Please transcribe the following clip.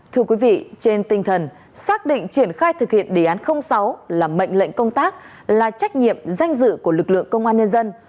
thưa quý vị trên tinh thần xác định triển khai thực hiện đề án sáu là mệnh lệnh công tác là trách nhiệm danh dự của lực lượng công an nhân dân